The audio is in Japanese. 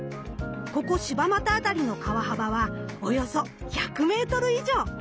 ここ柴又辺りの川幅はおよそ１００メートル以上。